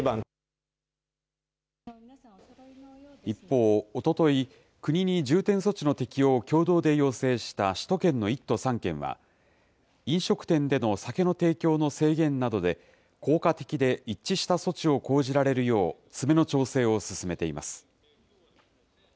一方、おととい、国に重点措置の適用を共同で要請した首都圏の１都３県は、飲食店での酒の提供の制限などで、効果的で一致した措置を講じられるよう、詰めの調整を進めています。